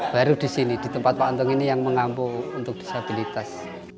baru di sini di tempat pak antong ini yang mengampu untuk disabilitas